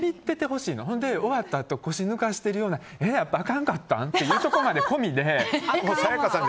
ほんで腰抜かしてるようなあかんかったん？っていうところまで込みで。